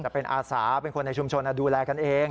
แต่เป็นอาสาเป็นคนในชุมชนดูแลกันเอง